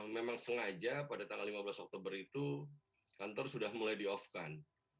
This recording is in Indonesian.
memang sengaja pada tanggal lima belas oktober itu kantor sudah mulai di off kan